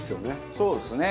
そうですね。